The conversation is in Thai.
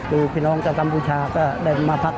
คือพี่น้องชาวกัมพูชาก็ได้มาพัก